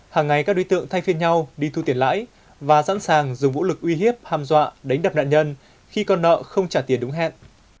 hàng ngày các đối tượng thay phiên nhau đi thu tiền lãi và sẵn sàng dùng vũ lực uy hiếp hàm dọa đánh đập nạn nhân khi con nợ không trả tiền đúng hẹn